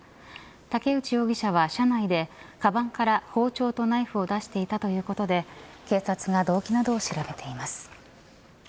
竹内容疑者は車内でかばんから包丁とナイフを出していたということで警察が動機などを調べています。